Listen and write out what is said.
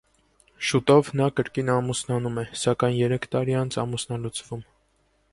Շուտով նա կրկին ամուսնանում է, սակայն երեք տարի անց ամուսնալուծվում։